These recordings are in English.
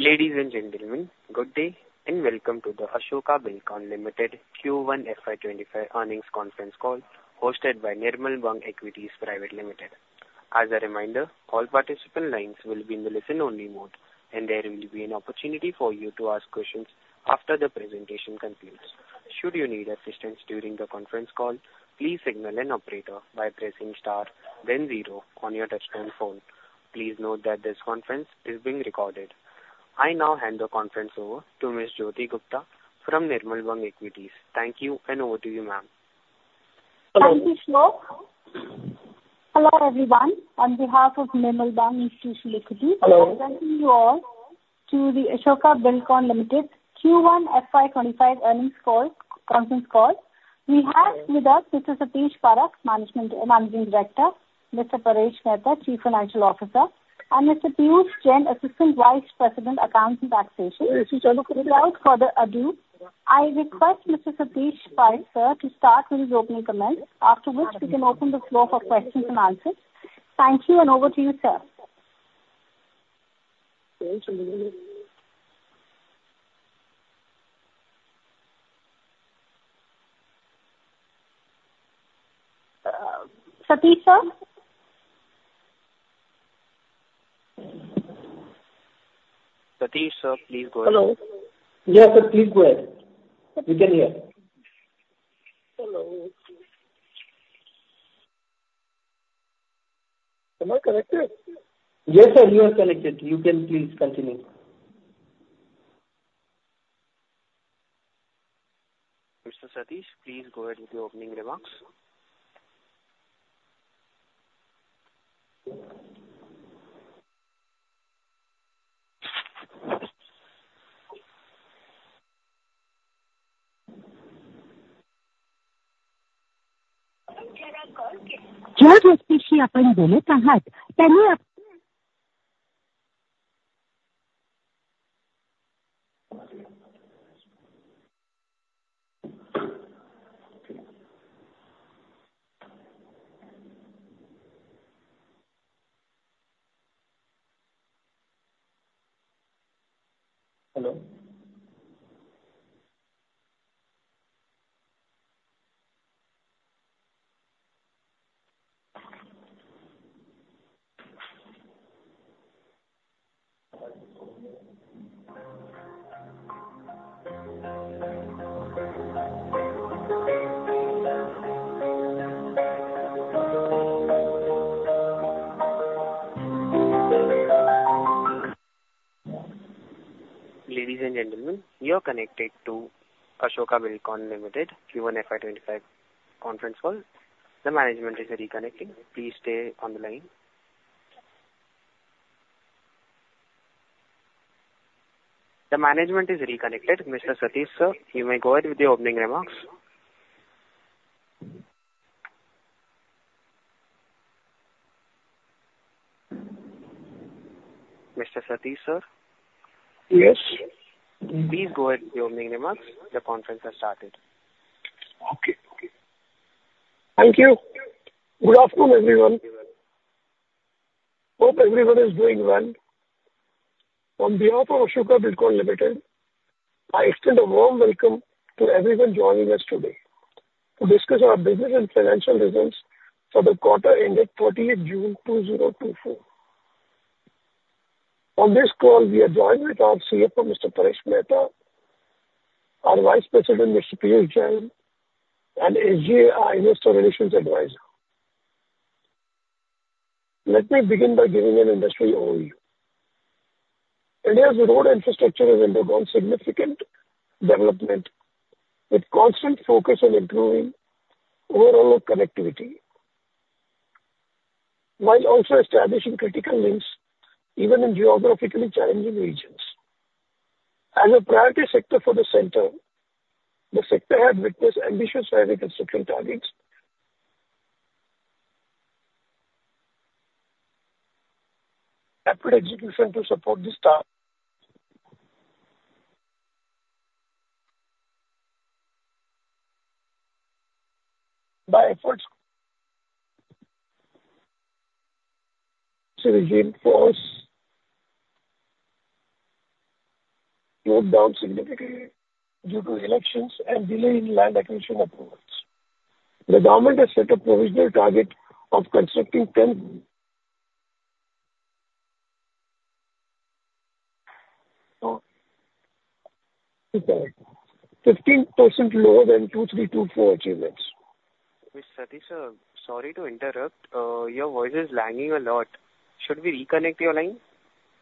Ladies and gentlemen, good day, and welcome to the Ashoka Buildcon Limited Q1 FY 25 earnings conference call, hosted by Nirmal Bang Equities Private Limited. As a reminder, all participant lines will be in the listen-only mode, and there will be an opportunity for you to ask questions after the presentation concludes. Should you need assistance during the conference call, please signal an operator by pressing star then zero on your touchtone phone. Please note that this conference is being recorded. I now hand the conference over to Ms. Jyoti Gupta from Nirmal Bang Equities. Thank you, and over to you, ma'am. Thank you, Shlok. Hello, everyone. On behalf of Nirmal Bang Institutional Equities- Hello. I welcome you all to the Ashoka Buildcon Limited Q1 FY 25 earnings call, conference call. We have with us Mr. Satish Parakh, Managing Director, Mr. Paresh Mehta, Chief Financial Officer, and Mr. Peeyush Jain, Assistant Vice President, Accounts and Taxation. Without further ado, I request Mr. Satish Parakh, sir, to start with his opening comments, after which we can open the floor for questions and answers. Thank you, and over to you, sir. Satish sir? Satish, sir, please go ahead. Hello? Yes, sir, please go ahead. We can hear. Hello. Am I connected? Yes, sir, you are connected. You can please continue. Mr. Satish, please go ahead with your opening remarks. Hello? Ladies and gentlemen, you're connected to Ashoka Buildcon Limited Q1 FY 25 conference call. The management is reconnecting. Please stay on the line. The management is reconnected. Mr. Satish, sir, you may go ahead with the opening remarks. Mr. Satish, sir? Yes. Please go ahead with your opening remarks. The conference has started. Okay. Thank you. Good afternoon, everyone. Hope everyone is doing well. On behalf of Ashoka Buildcon Limited, I extend a warm welcome to everyone joining us today to discuss our business and financial results for the quarter ending 30 June 2024. On this call, we are joined with our CFO, Mr. Paresh Mehta, our Vice President, Mr. Peeyush Jain, and SGA, our Investor Relations Advisor. Let me begin by giving an industry overview. India's road infrastructure has undergone significant development, with constant focus on improving overall connectivity, while also establishing critical links even in geographically challenging regions. As a priority sector for the center, the sector has witnessed ambitious highway construction targets. Rapid execution to support this target by efforts so the gain for us slowed down significantly due to elections and delay in land acquisition approvals. The government has set a provisional target of constructing 10... 15% lower than 23-24 achievements. Mr. Satish, sir, sorry to interrupt. Your voice is lagging a lot. Should we reconnect your line?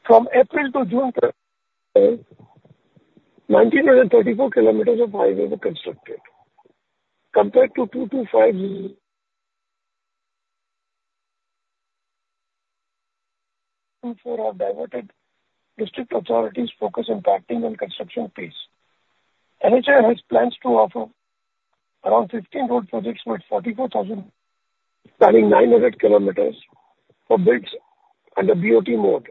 From April to June, 1,934 km of highway were constructed, compared to 2,254 awarded. NHAI authorities focus on tracking and construction pace. NHAI has plans to offer around 15 road projects worth 44,000, spanning 900 km for bids under BOT mode.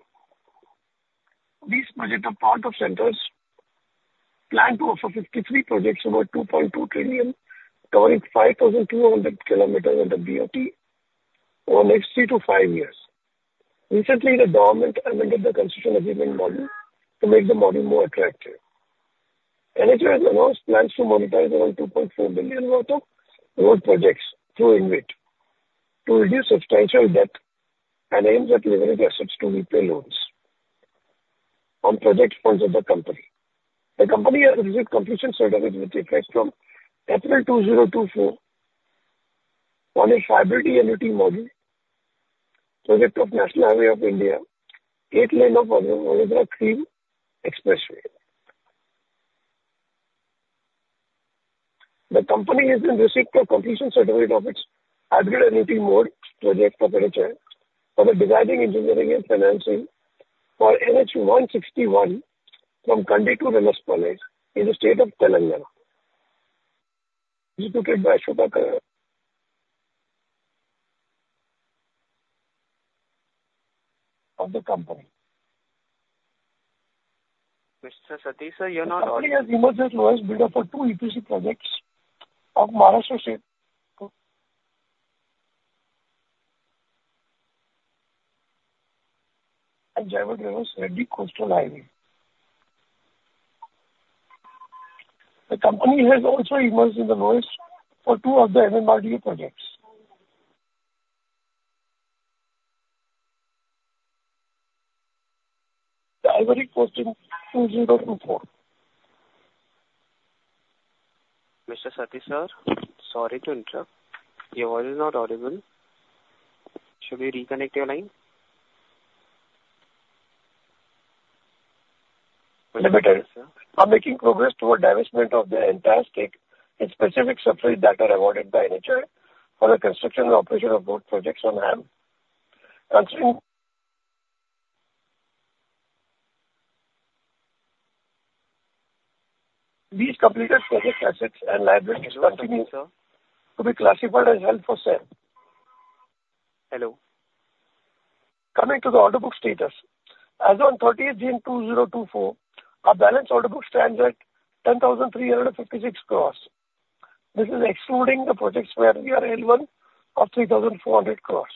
These projects are part of the Centre's plan to offer 53 projects over 2.2 trillion, covering 5,200 km under BOT over the next 3 to -5 years. Recently the government amended the concession agreement model to make the model more attractive. NHAI has announced plans to monetize around 2.4 billion worth of road projects through InvIT to reduce substantial debt and aims at delivering assets to repay loans on project funds of the company. The company has received completion certificate with effects from April 2024, on a hybrid annuity model project of National Highways Authority of India, eight-lane Vadodara-Kim Expressway. The company has been received a completion certificate of its hybrid annuity model project procurement for the designing, engineering, and financing for NH-161 from Kandi to Ramsanpalle in the state of Telangana, executed by subsidiary of the company. Mr. Satish, sir, you're not audible. The company has emerged as lowest bidder for two EPC projects of Maharashtra State and Revas-Reddi Coastal Highway. The company has also emerged as the lowest bidder for two of the MMRDA projects. The Ivory Coast execution in 2024. Mr. Satish, sir, sorry to interrupt. Your voice is not audible. Should we reconnect your line? ... are making progress toward divestment of the entire stake in specific subsidiaries that are awarded by NHAI for the construction and operation of BOT projects on HAM. Concerning these completed project assets and liabilities continue- Sir. To be classified as held for sale. Hello. Coming to the order book status. As on thirtieth June 2024, our balance order book stands at 10,356 crores. This is excluding the projects where we are relevant of 3,400 crores.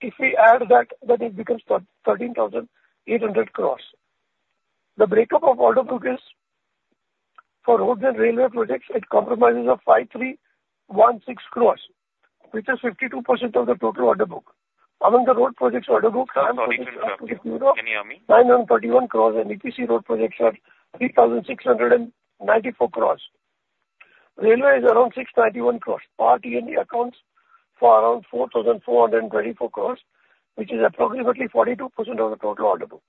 If we add that, then it becomes thirteen thousand eight hundred crores. The breakup of order book is, for roads and railway projects, it compromises of 5,316 crores, which is 52% of the total order book. Among the road projects, order book- Sorry to interrupt. Can you hear me? 931 crore, and EPC road projects are 3,694 crore. Railway is around 691 crore. Power T&D accounts for around 4,424 crore, which is approximately 42% of the total order book.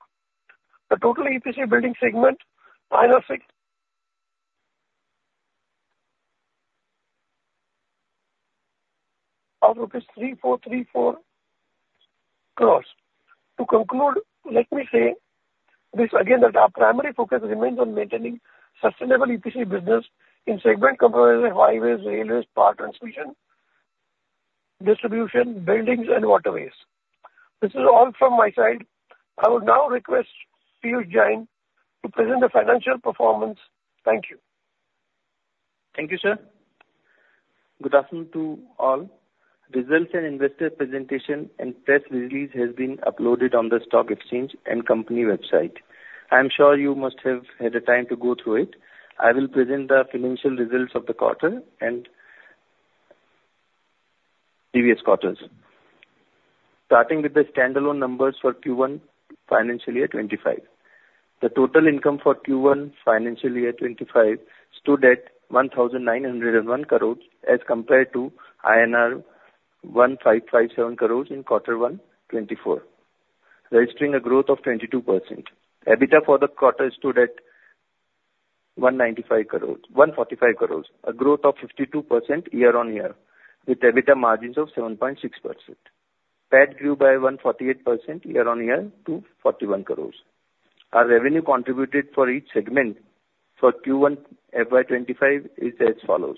The total EPC building segment order book is rupees 3,434 crore. To conclude, let me say this again, that our primary focus remains on maintaining sustainable EPC business in segment comprising highways, railways, power transmission, distribution, buildings and waterways. This is all from my side. I would now request Peeyush Jain to present the financial performance. Thank you. Thank you, sir. Good afternoon to all. Results and investor presentation and press release has been uploaded on the stock exchange and company website. I am sure you must have had a time to go through it. I will present the financial results of the quarter and previous quarters. Starting with the standalone numbers for Q1, financial year 25. The total income for Q1, financial year 25, stood at 1,901 crores, as compared to INR 1,557 crores in quarter 1, 2024, registering a growth of 22% year-on-year. EBITDA for the quarter stood at 195 crores, 145 crores, a growth of 52% year-on-year, with EBITDA margins of 7.6%. PAT grew by 148% year-on-year to 41 crores. Our revenue contributed for each segment for Q1 FY 25 is as follows: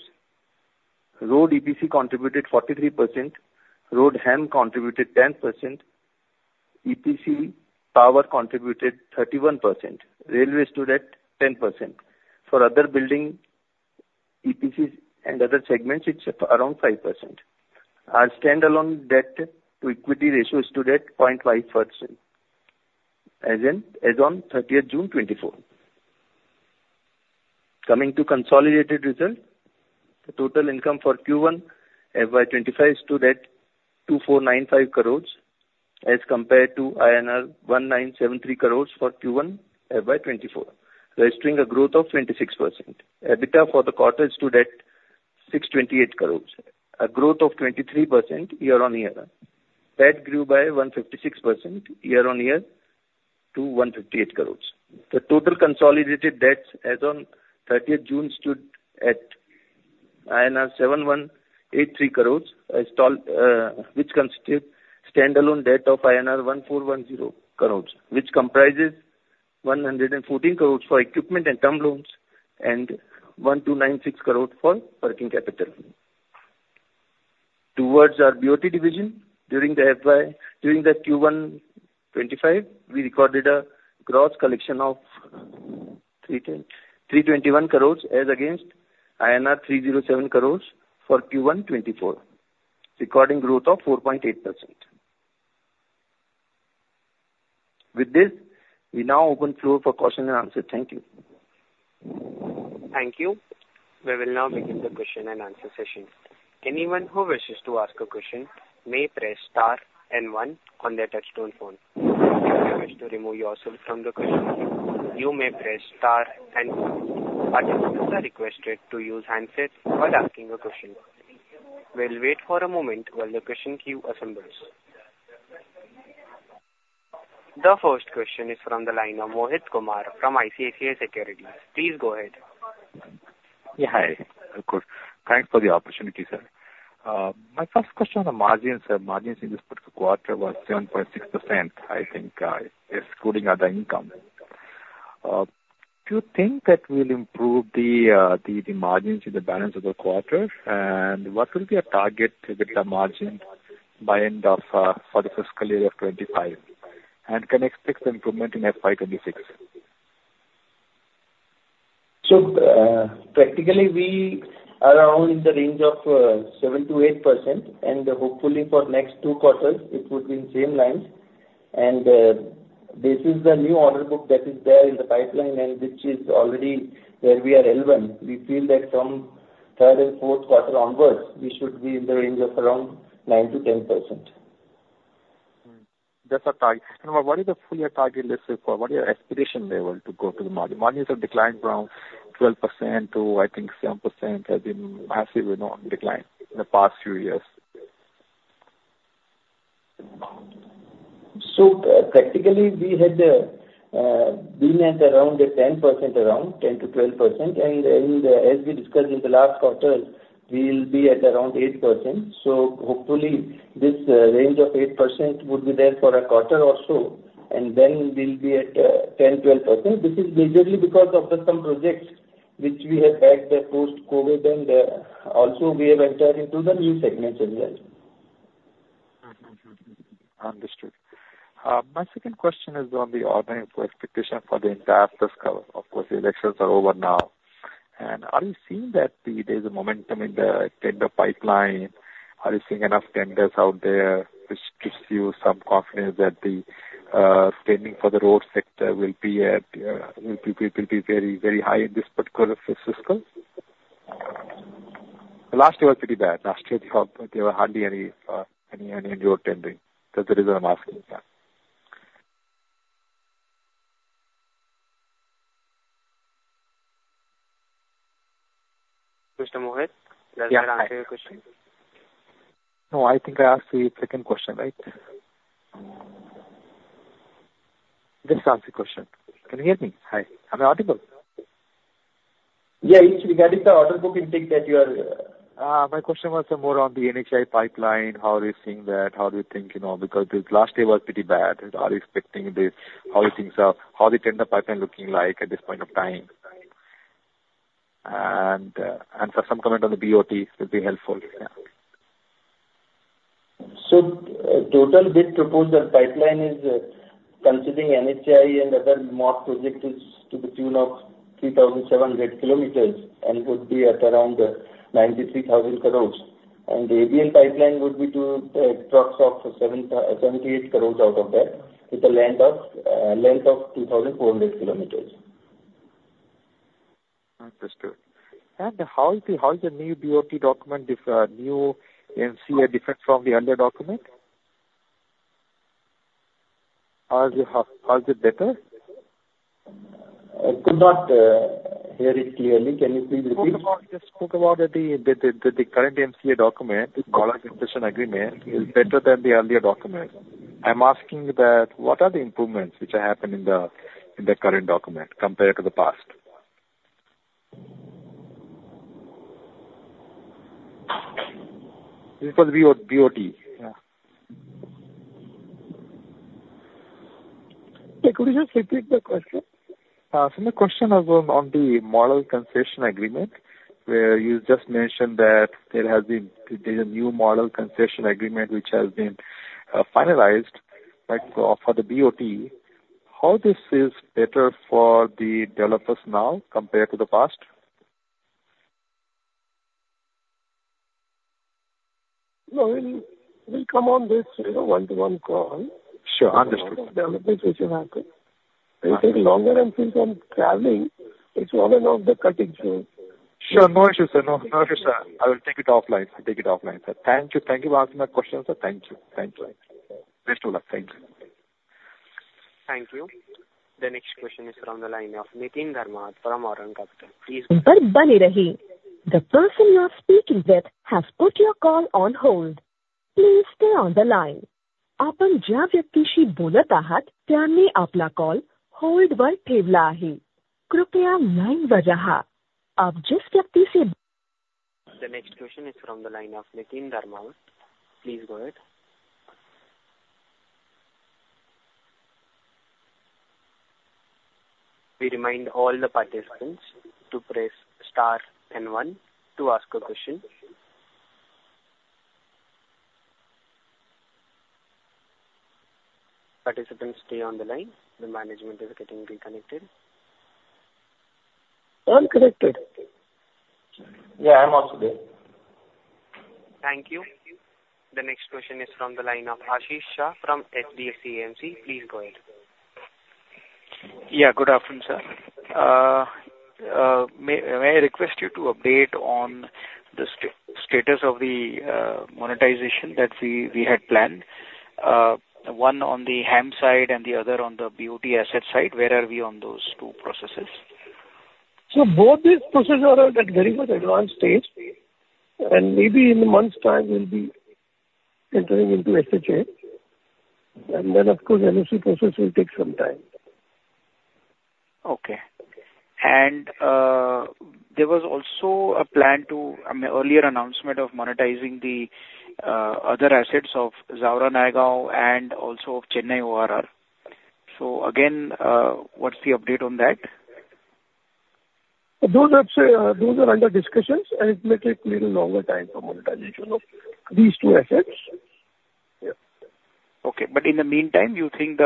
Road EPC contributed 43%, Road HAM contributed 10%, EPC power contributed 31%, railway stood at 10%. For other building EPCs and other segments, it's around 5%. Our standalone debt to equity ratio stood at 0.5%, as on 30th June 2024. Coming to consolidated results, the total income for Q1 FY 25 stood at 2,495 crores as compared to INR 1,973 crores for Q1 FY 24, registering a growth of 26%. EBITDA for the quarter stood at 628 crores, a growth of 23% year on year. PAT grew by 156% year on year to 158 crores. The total consolidated debts as on thirtieth June stood at 7,183 crores, installed, which constitutes standalone debt of 1,410 crores, which comprises 114 crores for equipment and term loans and 1,296 crores for working capital. Towards our BOT division during the FY, during the Q1 2025, we recorded a gross collection of 321 crores as against INR 307 crores for Q1 2024, recording growth of 4.8%. With this, we now open floor for question and answer. Thank you. Thank you. We will now begin the question and answer session. Anyone who wishes to ask a question may press star and one on their touchtone phone. If you wish to remove yourself from the question, you may press star and two. Participants are requested to use handsets while asking a question. We'll wait for a moment while the question queue assembles. The first question is from the line of Mohit Kumar from ICICI Securities. Please go ahead. Yeah, hi. Good. Thanks for the opportunity, sir. My first question on the margins, sir. Margins in this quarter was 7.6%, I think, excluding other income. Do you think that will improve the margins in the balance of the quarter? And what will be your target with the margin by end of for the fiscal year of 2025, and can expect improvement in FY 2026? So, practically, we around in the range of 7%-8%, and hopefully for next 2 quarters it would be in same lines. This is the new order book that is there in the pipeline and which is already where we are relevant. We feel that from 3rd and 4th quarter onwards, we should be in the range of around 9%-10%. That's our target. What is the full year target, let's say, for what is your aspiration level to go to the margin? Margins have declined from 12% to, I think, 7%, has been massively on decline in the past few years. So, practically, we had been at around 10%, around 10%-12%. And, as we discussed in the last quarter, we'll be at around 8%. So hopefully this range of 8% would be there for a quarter or so, and then we'll be at 10%-12%. This is majorly because of the some projects which we had backed the post-COVID, and also we have entered into the new segments as well. Mm-hmm. Mm-hmm. Understood. My second question is on the order book expectation for the entire fiscal. Of course, the elections are over now, and are you seeing that there's a momentum in the tender pipeline? Are you seeing enough tenders out there, which gives you some confidence that the spending for the road sector will be, will be very, very high in this particular fiscal? Last year was pretty bad. Last year there were hardly any, any, any road tendering. That's the reason I'm asking this now. Mr. Mohit? Yeah. Do you want to ask another question? No, I think I asked the second question, right? Just ask the question. Can you hear me? Hi. Am I audible? Yeah. It's regarding the order book intake that you are, My question was more on the NHAI pipeline. How are you seeing that? How do you think, you know, because the last year was pretty bad. Are you expecting this? How things are, how the tender pipeline looking like at this point of time? And, and for some comment on the BOT would be helpful. Yeah. Total bid proposal pipeline is, considering NHAI and other MoRTH projects, to the tune of 3,700 kilometers and would be at around 93,000 crore. The ABN pipeline would be to approx. of 7,778 crore out of that, with a length of, length of 2,400 kilometers. Understood. How is the new BOT document, this new MCA different from the earlier document? How is it better? I could not hear it clearly. Can you please repeat? You spoke about the current MCA document, the Model Concession Agreement, is better than the earlier document. I'm asking that what are the improvements which happened in the current document compared to the past? This is for BOT. Yeah. Could you just repeat the question? So my question was on the Model Concession Agreement, where you just mentioned that there has been, there's a new Model Concession Agreement which has been finalized, like, for the BOT. How this is better for the developers now compared to the past? No, we'll come on this, you know, one-to-one call. Sure. Understood. Which will happen. It will take longer, and since I'm traveling, it's on and off the cutting, so- Sure, no issue, sir. No, no issue, sir. I will take it offline. I'll take it offline, sir. Thank you. Thank you for asking my question, sir. Thank you. Thank you. Best of luck. Thank you. Thank you. The next question is from the line of Niteen Dharmawat from Aurum Capital. Please-. The next question is from the line of Niteen Dharmawat. Please go ahead.... We remind all the participants to press star and one to ask a question. Participants, stay on the line. The management is getting reconnected. All connected. Yeah, I'm also there. Thank you. The next question is from the line of Ashish Shah from HDFC AMC. Please go ahead. Yeah, good afternoon, sir. May I request you to update on the status of the monetization that we had planned? One on the HAM side and the other on the BOT asset side. Where are we on those two processes? So both these processes are at very much advanced stage, and maybe in a month's time we'll be entering into SHA. And then, of course, LFC process will take some time. Okay. And there was also a plan to earlier announcement of monetizing the other assets of Jaora-Nayagaon and also of Chennai ORR. So again, what's the update on that? Those are, those are under discussions, and it may take little longer time for monetization of these two assets. Yeah. Okay. But in the meantime, you think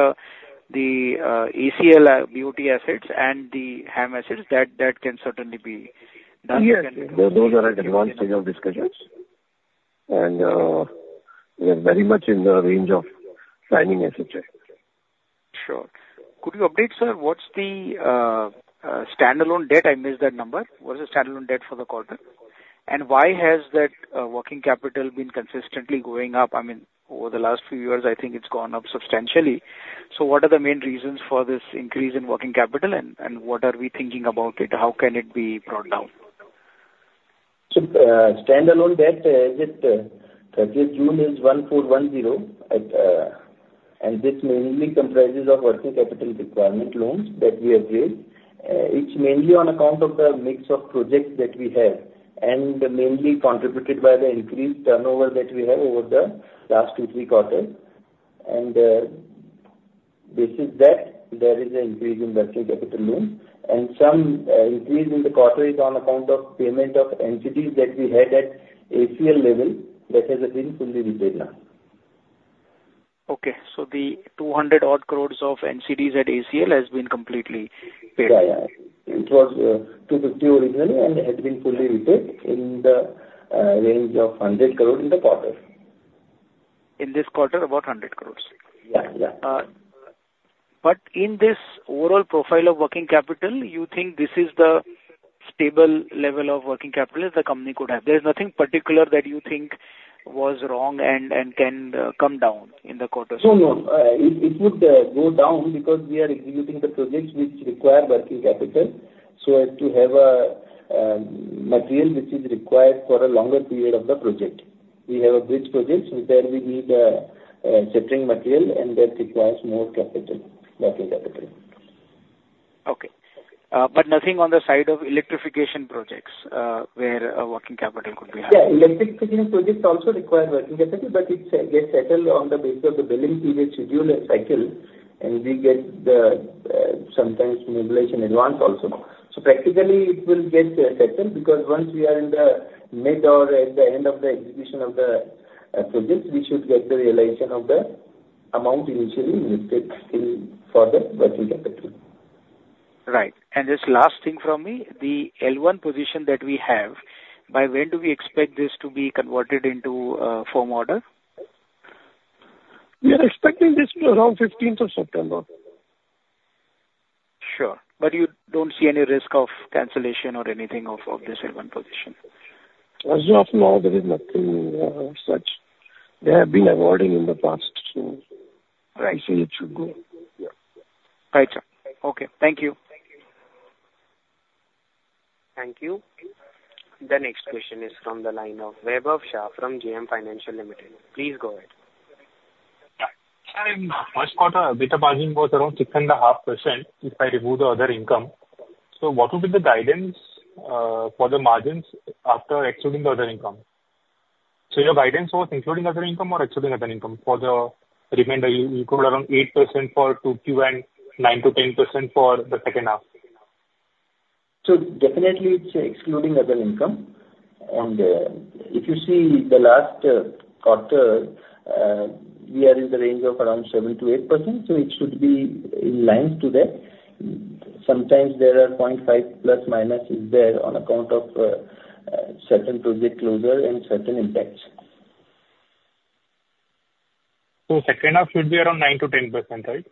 the ACL BOT assets and the HAM assets, that can certainly be done? Yes. Those are at advanced stage of discussions, and we are very much in the range of signing SHA. Sure. Could you update, sir, what's the standalone debt? I missed that number. What is the standalone debt for the quarter, and why has that working capital been consistently going up? I mean, over the last few years, I think it's gone up substantially. So what are the main reasons for this increase in working capital, and what are we thinking about it? How can it be brought down? So, standalone debt, as at June is 1,410. And this mainly comprises of working capital requirement loans that we have raised. It's mainly on account of the mix of projects that we have, and mainly contributed by the increased turnover that we have over the last two, three quarters. And, this is that there is an increase in working capital loans, and some, increase in the quarter is on account of payment of NCDs that we had at ACL level, that has been fully repaid now. Okay, so the 200 odd crores of NCDs at ACL has been completely paid? Yeah, yeah. It was 250 crore originally, and it has been fully repaid in the range of 100 crore in the quarter. In this quarter, about 100 crore? Yeah, yeah. But in this overall profile of working capital, you think this is the stable level of working capital the company could have? There's nothing particular that you think was wrong and can come down in the quarter? No, no. It would go down because we are executing the projects which require working capital, so as to have a material which is required for a longer period of the project. We have a bridge projects where we need setting material, and that requires more capital, working capital. Okay. But nothing on the side of electrification projects, where working capital could be high? Yeah, electrification projects also require working capital, but it gets settled on the basis of the billing period schedule and cycle, and we get the sometimes mobilization advance also. So practically, it will get settled, because once we are in the mid or at the end of the execution of the projects, we should get the realization of the amount initially invested in for the working capital. Right. This last thing from me, the L1 position that we have, by when do we expect this to be converted into a firm order? We are expecting this to around the fifteenth of September. Sure. But you don't see any risk of cancellation or anything of this L1 position? As of now, there is nothing, as such. They have been awarding in the past, so- Right. I think it should go, yeah. Right, sir. Okay. Thank you. Thank you. The next question is from the line of Vaibhav Shah from JM Financial Limited. Please go ahead. Hi. Sir, in first quarter, EBITDA margin was around 6.5%, if I remove the other income. So what would be the guidance for the margins after excluding the other income? So your guidance was including other income or excluding other income for the remainder? You, you quoted around 8% for 2Q and 9%-10% for the second half. So definitely, it's excluding other income. And if you see the last quarter, we are in the range of around 7%-8%, so it should be in line to that. Sometimes there are ±0.5% is there on account of certain project closure and certain impacts. So second half should be around 9%-10%, right?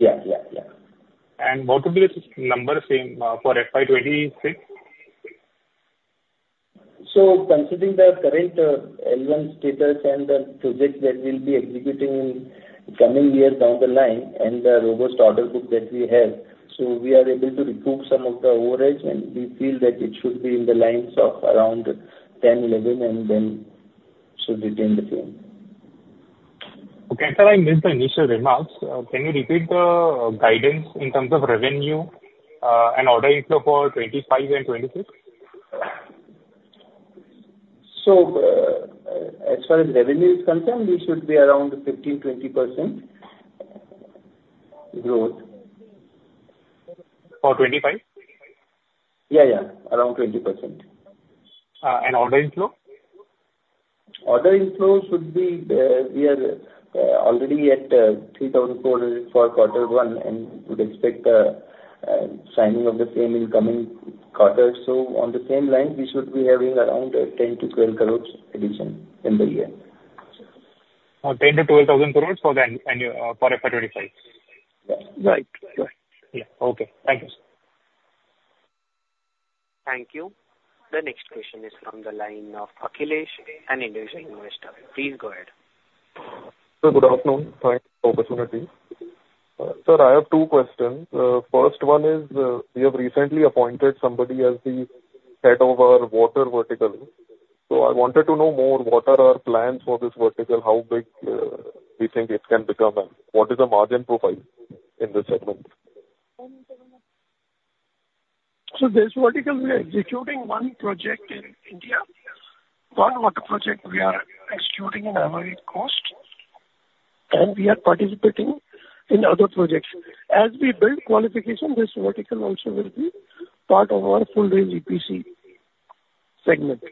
Yeah, yeah, yeah. And what would be the number, same, for FY 2026? So considering the current L1 status and the projects that we'll be executing in coming years down the line, and the robust order book that we have, so we are able to recoup some of the overage, and we feel that it should be in the lines of around 10, 11, and then should retain the same. Okay, sir, I missed the initial remarks. Can you repeat the guidance in terms of revenue and order inflow for 2025 and 2026? So, as far as revenue is concerned, we should be around 15%-20% growth. Or twenty-five? Yeah, yeah, around 20%. And order inflow? Order inflow should be, we are already at 3,004 for quarter one, and we'd expect a signing of the same in coming quarters. So on the same line, we should be having around 10-12 crore addition in the year. 10,000-12,000 crore for the annual for FY 2025? Right. Right. Yeah. Okay. Thank you, sir. Thank you. The next question is from the line of Akhilesh, an individual investor. Please go ahead. Sir, good afternoon. Thanks for the opportunity. Sir, I have two questions. First one is, we have recently appointed somebody as the head of our water vertical. So I wanted to know more, what are our plans for this vertical? How big we think it can become, and what is the margin profile in this segment? So this vertical, we are executing one project in India. One water project we are executing in Ivory Coast, and we are participating in other projects. As we build qualification, this vertical also will be part of our full range EPC segment.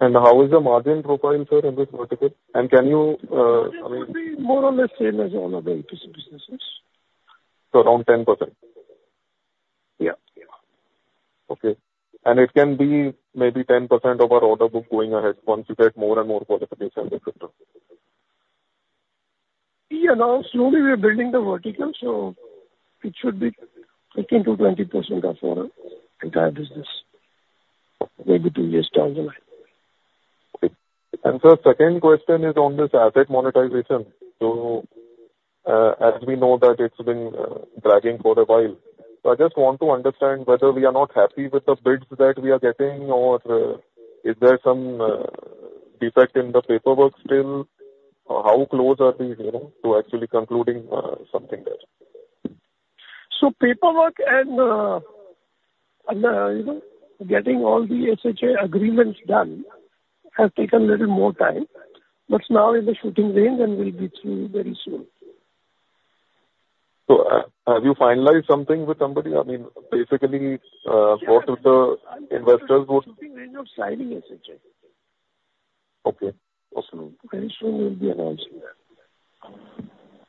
How is the margin profile, sir, in this vertical? And can you, I mean- Margin will be more or less same as all other EPC businesses. Around 10%? Yeah, yeah. Okay. It can be maybe 10% of our order book going ahead, once you get more and more qualification in the system. Yeah. Now, slowly we are building the vertical, so it should be 15%-20% of our entire business, maybe two years down the line. And sir, second question is on this asset monetization. So, as we know that it's been dragging for a while. So I just want to understand whether we are not happy with the bids that we are getting, or, is there some defect in the paperwork still? Or how close are we, you know, to actually concluding something there? So paperwork and you know, getting all the SHA agreements done has taken a little more time, but now in the shooting range and will be through very soon. So have you finalized something with somebody? I mean, basically, most of the investors would- Range of signing SHAs. Okay. Absolutely. Very soon we'll be announcing that.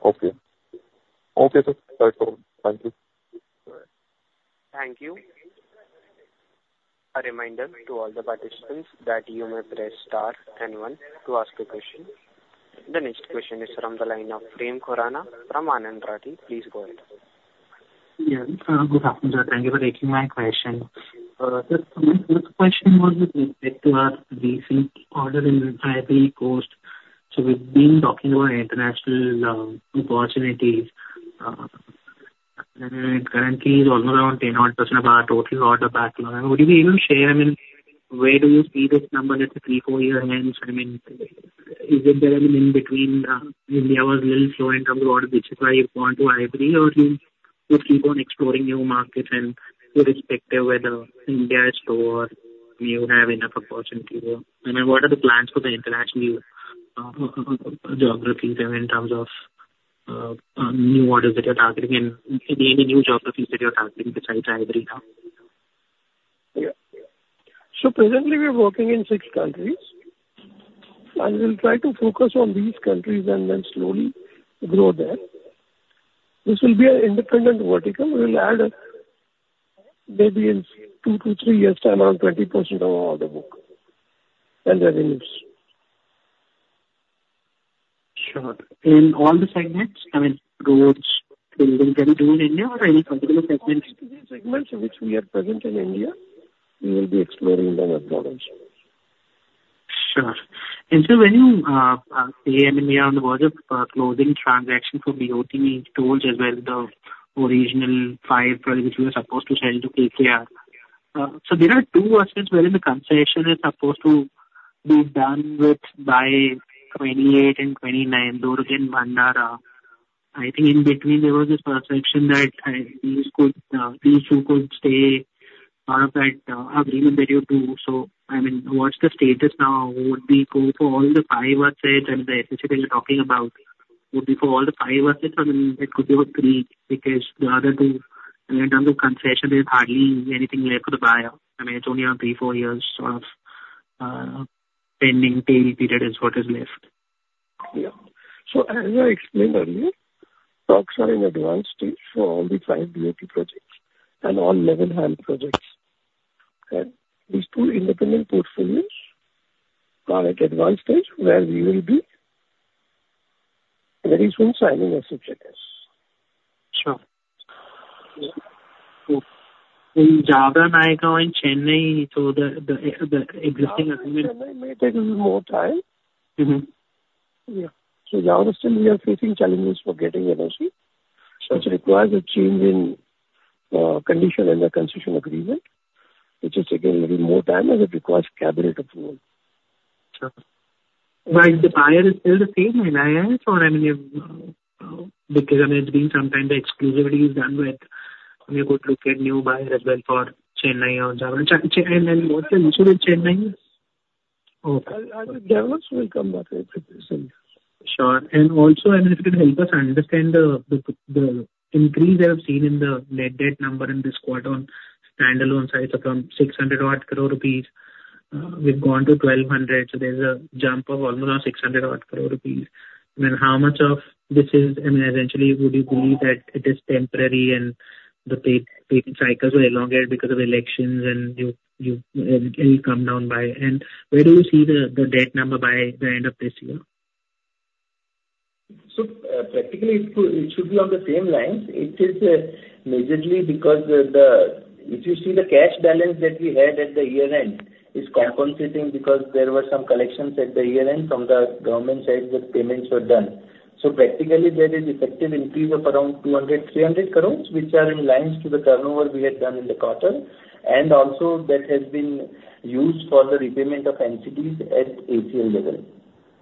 Okay. Okay, sir. That's all. Thank you. Thank you. A reminder to all the participants that you may press star then one to ask a question. The next question is from the line of Prem Khurana from Anand Rathi. Please go ahead. Yeah. Good afternoon, sir. Thank you for taking my question. Sir, my first question was with respect to our recent order in Ivory Coast. So we've been talking about international opportunities, and currently it's only around 10% of our total order backlog. Would you even share, I mean, where do you see this number let's say three, four years hence? I mean, is it there, I mean, in between, India was little slow in terms of orders, which is why you went to Ivory, or you will keep on exploring new markets and irrespective whether India is slow or we would have enough opportunity there. I mean, what are the plans for the international geographies, I mean, in terms of new orders that you're targeting and any new geographies that you're targeting besides Ivory now? Yeah. So presently we are working in six countries, and we'll try to focus on these countries and then slowly grow there. This will be an independent vertical. We will add maybe in two to three years time, around 20% of our order book and revenues. Sure. In all the segments, I mean, roads, building, and in India or any particular segments? Segments in which we are present in India, we will be exploring them as well. Sure. And so when you, NHAI on the board of, closing transaction for BOT tolls as well, the original 5 projects we were supposed to sell to KKR. So there are two assets where the concession is supposed to be done with by 2028 and 2029, Durg-Bhandara. I think in between there was this perception that, these could, these two could stay out of that, agreement that you do. So, I mean, what's the status now? Would we go for all 5 assets and the SHAs that we're talking about? Would be for all 5 assets, or it could be about 3, because the other two, in terms of concession, there's hardly anything left for the buyer. I mean, it's only 3-4 years of, pending tail period is what is left. Yeah. So as I explained earlier, talks are in advanced stage for all 5 BOT projects and all 11 HAM projects. These two independent portfolios are at advanced stage, where we will be very soon signing SHAs. Sure. Yeah. So in Jaora-Nayagaon in Chennai, so the the existing- Chennai may take a little more time. Mm-hmm. Yeah. So Jaora still we are facing challenges for getting NOC. Sure. Which requires a change in condition and the concession agreement, which is taking a little more time as it requires cabinet approval. Sure. While the buyer is still the same, I mean, NHAI or any of, because I mean, sometime the exclusivity is done with, we could look at new buyers as well for Chennai or Jaora, Chennai, and mostly Chennai? Okay. I believe Jaora will come back with it soon. Sure. And also, I mean, if you could help us understand the increase I have seen in the net debt number in this quarter on standalone side, from 600 crore rupees, we've gone to 1,200, so there's a jump of almost 600 crore rupees. Then how much of this is, I mean, eventually, would you believe that it is temporary and the payment cycles were elongated because of elections, and you it'll come down by? And where do you see the debt number by the end of this year? So, practically, it should, it should be on the same lines. It is majorly because the... If you see the cash balance that we had at the year-end, it's compensating because there were some collections at the year-end from the government side, the payments were done. So practically, there is effective increase of around 200-300 crore, which are in lines to the turnover we had done in the quarter, and also that has been used for the repayment of entities at ACL level.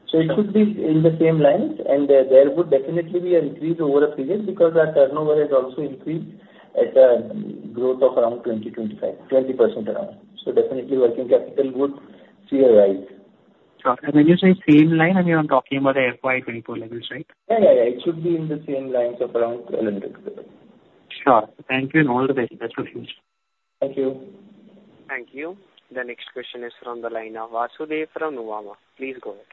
So it should be in the same lines, and there would definitely be an increase over a period because our turnover has also increased at a growth of around 20, 25, 20% around. So definitely, working capital would see a rise. Sure. And when you say same line, I mean, I'm talking about the FY 2024 levels, right? Yeah, yeah. It should be in the same lines of around 20%. Sure. Thank you, and all the best for the future. Thank you. Thank you. The next question is from the line of Vasudev from Nuvama. Please go ahead.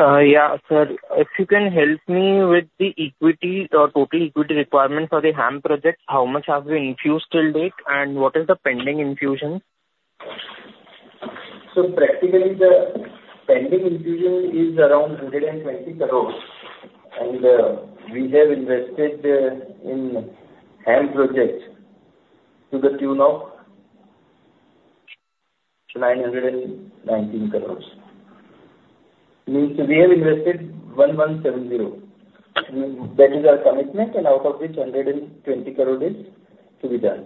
Yeah, sir, if you can help me with the equity or total equity requirement for the HAM projects, how much have we infused till date, and what is the pending infusion? So practically, the pending infusion is around 120 crore, and we have invested in HAM projects to the tune of 919 crore. Means we have invested 1,170. That is our commitment, and out of which, 120 crore is to be done.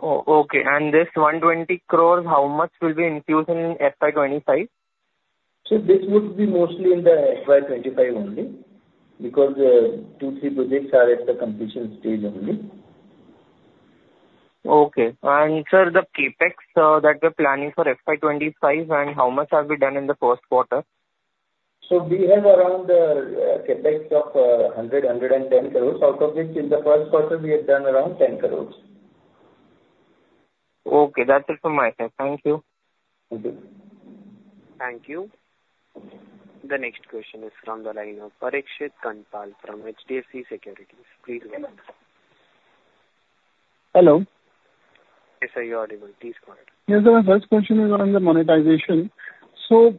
Oh, okay. And this 120 crore, how much will be infusion in FY 25? So this would be mostly in the FY 25 only, because two, three projects are at the completion stage only. Okay. And sir, the CapEx that we're planning for FY 25, and how much have we done in the first quarter? We have around CapEx of 110 crore, out of which in the first quarter we have done around 10 crore. Okay, that's it from my side. Thank you. Thank you. Thank you. The next question is from the line of Parikshit Kandpal from HDFC Securities. Please go ahead. Hello? Yes, sir, you're audible. Please go ahead. Yes, sir, my first question is around the monetization. So,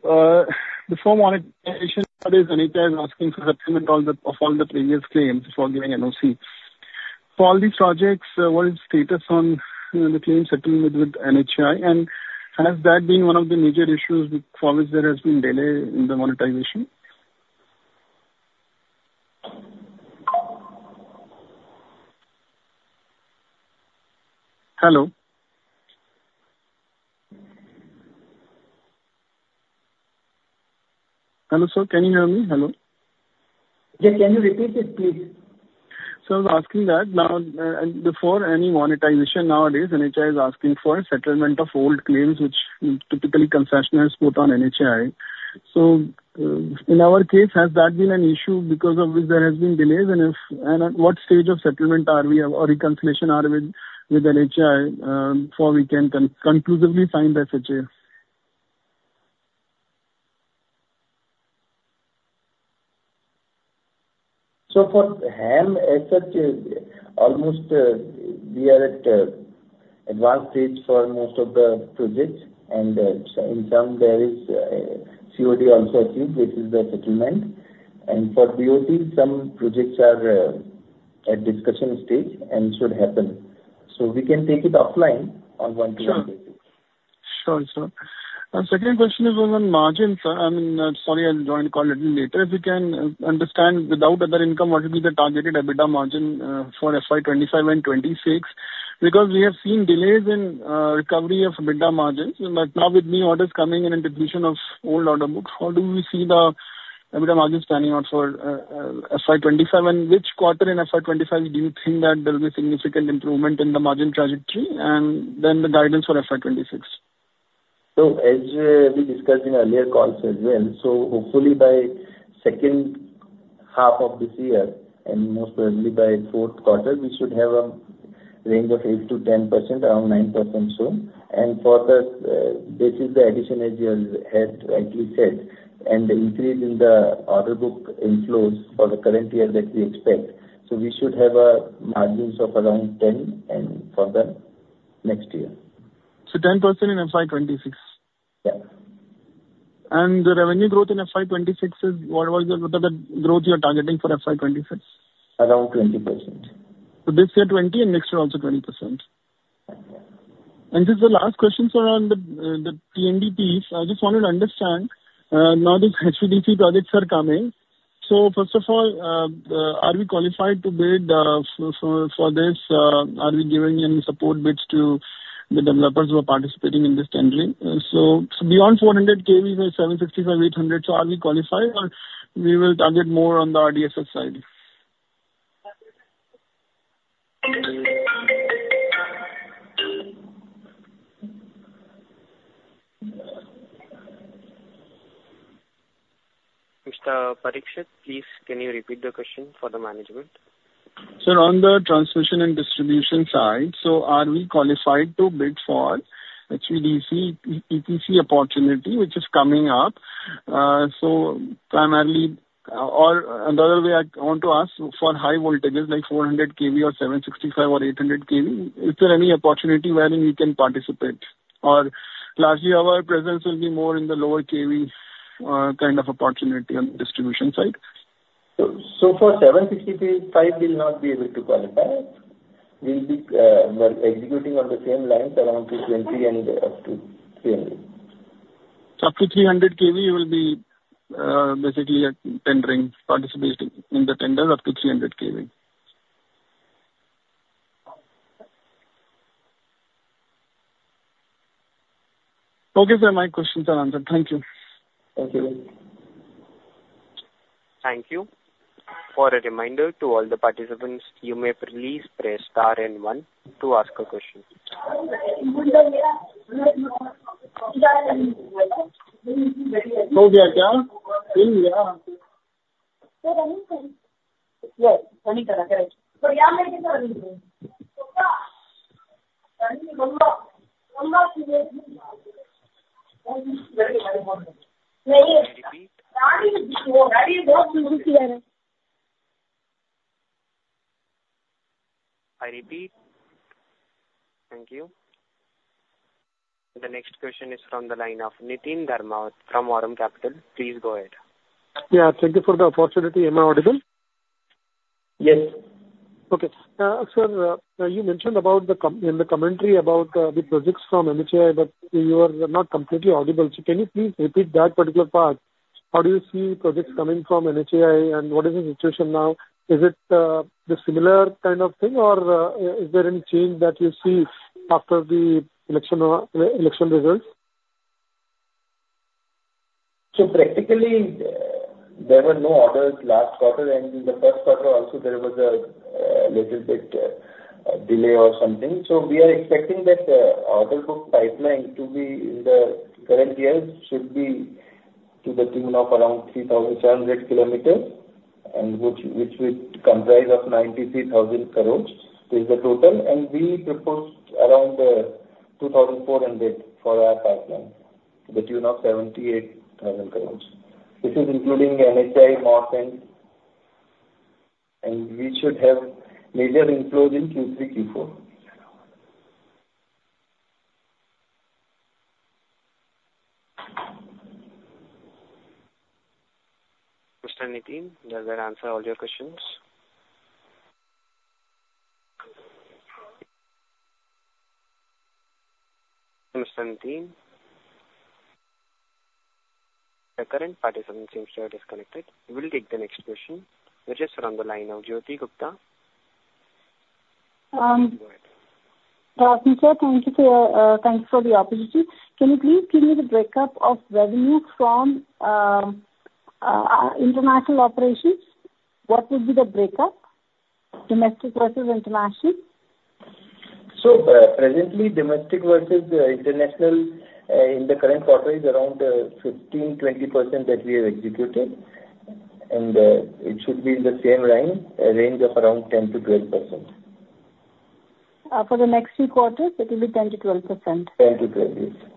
before monetization, NHAI is asking for settlement of all the previous claims before giving NOC. For all these projects, what is the status on the claim settlement with NHAI? And has that been one of the major issues with which there has been delay in the monetization? Hello? Hello, sir, can you hear me? Hello. Yeah, can you repeat it, please? So I was asking that now, before any monetization, nowadays, NHAI is asking for a settlement of old claims which typically concessionaires put on NHAI. So, in our case, has that been an issue because of which there has been delays, and if, and at what stage of settlement are we or reconciliation are we with, with NHAI, before we can conclusively sign the SHAs? For HAM as such, we are almost at advanced stage for most of the projects, and in some there is COD also achieved, which is the settlement. For BOT, some projects are at discussion stage and should happen. We can take it offline on one to one basis. Sure. Sure, sir. And second question is on margins. I mean, sorry, I joined call little later. If you can understand without other income, what will be the targeted EBITDA margin for FY 25 and 26? Because we have seen delays in recovery of EBITDA margins, but now with new orders coming in and depletion of old order books, how do we see the EBITDA margins panning out for FY 25, and which quarter in FY 25 do you think that there will be significant improvement in the margin trajectory, and then the guidance for FY 26? So as we discussed in earlier calls as well, so hopefully by second half of this year, and most probably by fourth quarter, we should have a range of 8%-10%, around 9% soon. And for the, this is the addition, as you have rightly said, and the increase in the order book inflows for the current year that we expect. So we should have, margins of around 10% and further next year. 10% in FY 2026? Yeah. And the revenue growth in FY 26 is, what was the, the growth you are targeting for FY 26? Around 20%. So this year 20, and next year also 20%? Yeah. This is the last question, sir, on the PNDTs. I just wanted to understand, now these HVDC projects are coming. So first of all, are we qualified to bid for this? Are we giving any support bids to the developers who are participating in this tendering? So beyond 400 kV, 765, 800, so are we qualified, or we will target more on the RDSS side? Mr. Parikshit, please, can you repeat the question for the management? Sir, on the transmission and distribution side, so are we qualified to bid for HVDC etc. opportunity, which is coming up? So primarily, or another way I want to ask, for high voltages, like 400 kV or 765 or 800 kV, is there any opportunity wherein we can participate? Or lastly, our presence will be more in the lower kV kind of opportunity on the distribution side? So, for 765, we'll not be able to qualify. We'll be executing on the same lines, around 220 and up to 300. Up to 300 KV, you will be, basically at tendering, participating in the tender up to 300 KV. Okay, sir, my questions are answered. Thank you. Thank you. Thank you. For a reminder to all the participants, you may please press star and one to ask a question. I repeat. Thank you. The next question is from the line of Niteen Dharmawat from Aurum Capital. Please go ahead. Yeah, thank you for the opportunity. Am I audible? Yes. Okay. Sir, you mentioned about the com... In the commentary about the projects from NHAI, but you are not completely audible. So can you please repeat that particular part? How do you see projects coming from NHAI, and what is the situation now? Is it the similar kind of thing, or is there any change that you see after the election election results? So practically, there were no orders last quarter, and in the first quarter also, there was a little bit delay or something. So we are expecting that order book pipeline to be in the current year, should be to the tune of around 3,700 kilometers, and which will comprise of 93,000 crore, is the total. And we proposed around 2,400 for our pipeline, to the tune of 78,000 crore rupees. This is including NHAI, MoRTH, and we should have major inflow in Q3, Q4. Mr. Niteen, does that answer all your questions? Mr. Niteen? The current participant seems to have disconnected. We'll take the next question, which is from the line of Jyoti Gupta. Please, go ahead. Sir, thank you for the opportunity. Can you please give me the breakup of revenues from international operations? What will be the breakup, domestic versus international? Presently, domestic versus international, in the current quarter is around 15%-20% that we are executing. It should be in the same range, a range of around 10%-12%. For the next few quarters, it will be 10%-12%? 10-12, yes.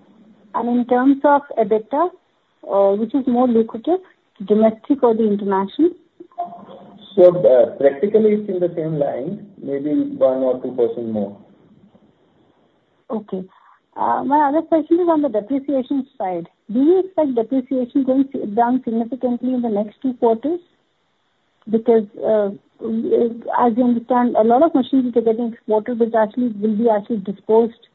In terms of EBITDA, which is more lucrative, domestic or the international? Practically, it's in the same line, maybe 1 or 2% more. Okay. My other question is on the depreciation side. Do you expect depreciation going down significantly in the next two quarters? Because, as you understand, a lot of machines which are getting exported, which actually will be actually disposed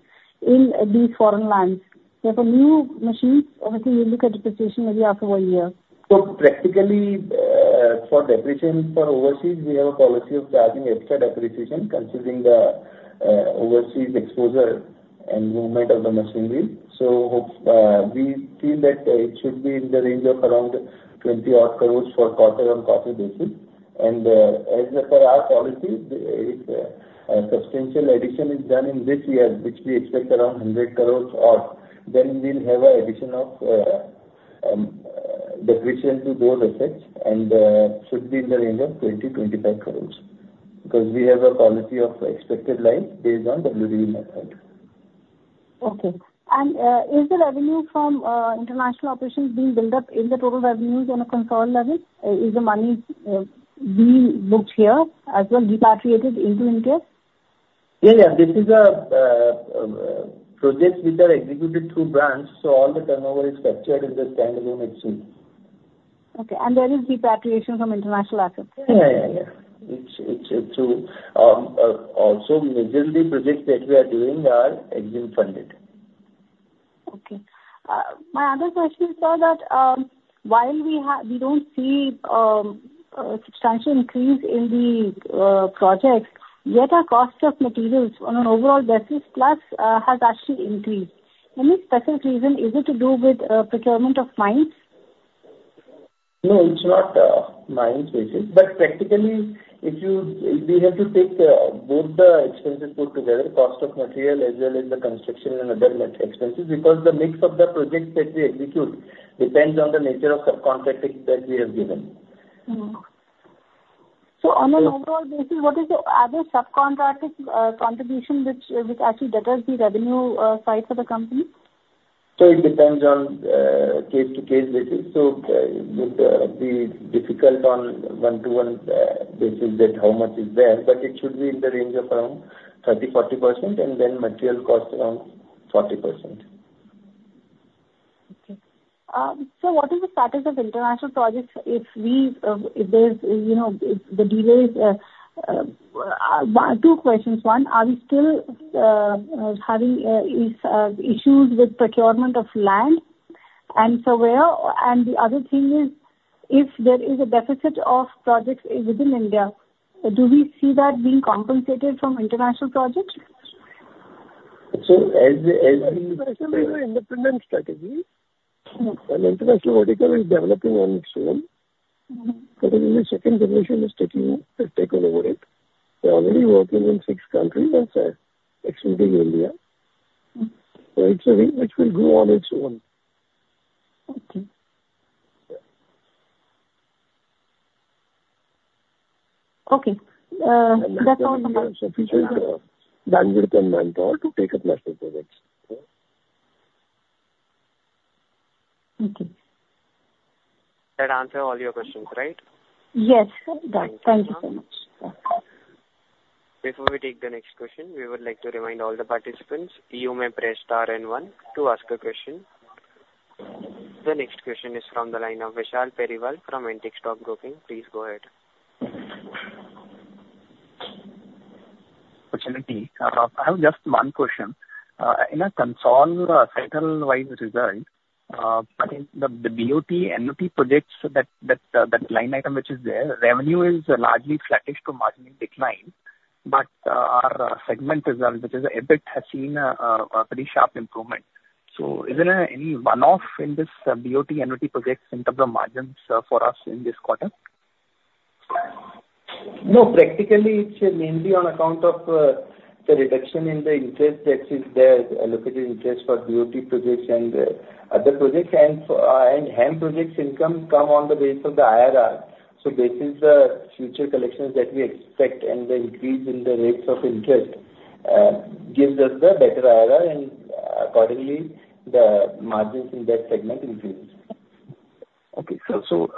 in these foreign lands. So for new machines, obviously, we look at depreciation maybe after one year. So practically, for depreciation for overseas, we have a policy of charging extra depreciation, considering the overseas exposure and movement of the machinery. So we feel that it should be in the range of around 20 odd crore for quarter-on-quarter basis. And, as per our policy, if substantial addition is done in this year, which we expect around 100 crore or... Then we'll have a addition of depreciation to those effects, and should be in the range of 20 crore-25 crore, because we have a policy of expected life based on WDV method. Okay. Is the revenue from international operations being built up in the total revenues on a consolidated level? Is the money being booked here, as well repatriated into India? Yeah, yeah. This is projects which are executed through branch, so all the turnover is captured in the standalone HD. Okay, and there is repatriation from international assets? Yeah. It's also majorly projects that we are doing are EXIM funded. ...Okay. My other question is, sir, that, while we have, we don't see a substantial increase in the projects, yet our cost of materials on an overall basis plus has actually increased. Any special reason? Is it to do with procurement of mines? No, it's not mines basis. But practically, if we have to take both the expenses put together, cost of material as well as the construction and other net expenses, because the mix of the projects that we execute depends on the nature of subcontracting that we have given. On an overall basis, what is the other subcontracting contribution, which actually determines the revenue side for the company? So it depends on a case-to-case basis. So, with the differential on a one-to-one basis that how much is there, but it should be in the range of around 30-40%, and then material cost around 40%. Okay. So what is the status of international projects if we, if there's, you know, if the delays? Two questions. One, are we still having issues with procurement of land and so where? And the other thing is, if there is a deficit of projects within India, do we see that being compensated from international projects? So as Independent strategy. Mm. An international vertical is developing on its own. Mm-hmm. In the second generation is taking over it. We're already working in 6 countries outside, excluding India. Mm. It's a thing which will grow on its own. Okay. Okay, that's all from my end. Bandwidth and manpower to take up national projects. Okay. That answer all your questions, right? Yes, sir. Done. Thank you, ma'am. Thank you so much. Before we take the next question, we would like to remind all the participants, you may press star and one to ask a question. The next question is from the line of Vishal Periwal from Antique Stock Broking. Please go ahead. Good evening. I have just one question. In consolidated company-wide results, I think the BOT projects that line item which is there, revenue is largely flattish to marginally decline. But our segment result, which is EBIT, has seen a pretty sharp improvement. So is there any one-off in this BOT project in terms of margins for us in this quarter? No, practically, it's mainly on account of the reduction in the interest that is there, allocated interest for BOT projects and and HAM projects income come on the base of the IRR. So this is the future collections that we expect, and the increase in the rates of interest gives us the better IRR, and accordingly, the margins in that segment increase. Okay, sir. So,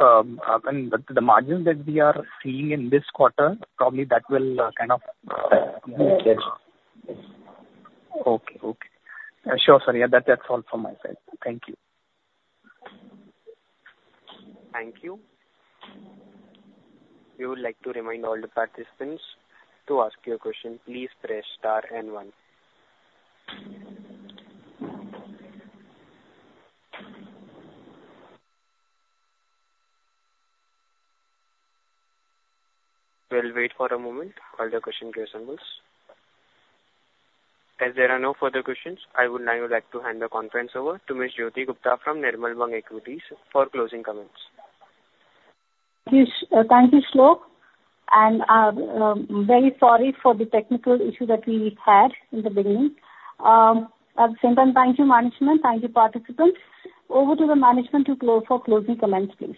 when the margins that we are seeing in this quarter, probably that will, kind of- Yes. Okay. Okay. Sure, sir. Yeah, that, that's all from my side. Thank you. Thank you. We would like to remind all the participants, to ask your question, please press star and one. We'll wait for a moment while the questions assemble. As there are no further questions, I would now like to hand the conference over to Miss Jyoti Gupta from Nirmal Bang Equities for closing comments. Yes, thank you, Shlok, and very sorry for the technical issue that we had in the beginning. At the same time, thank you, management. Thank you, participants. Over to the management to close, for closing comments, please.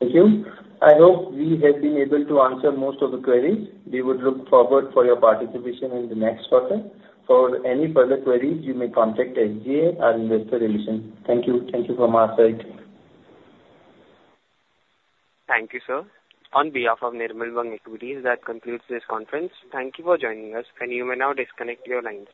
Thank you. I hope we have been able to answer most of the queries. We would look forward for your participation in the next quarter. For any further queries, you may contact SGA or Investor Relations. Thank you. Thank you from our side. Thank you, sir. On behalf of Nirmal Bang Equities, that concludes this conference. Thank you for joining us, and you may now disconnect your lines.